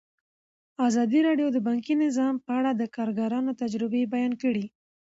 ازادي راډیو د بانکي نظام په اړه د کارګرانو تجربې بیان کړي.